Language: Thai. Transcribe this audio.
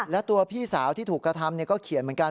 และตัวพี่สาวที่ถูกกระทำก็เขียนเหมือนกัน